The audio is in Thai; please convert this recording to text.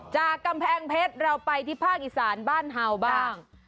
กำแพงเพชรเราไปที่ภาคอีสานบ้านเห่าบ้าง